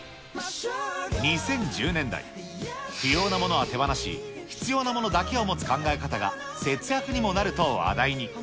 ２０１０年代、不要なものは手放し、必要なものだけを持つ考え方が、節約にもなると話題に。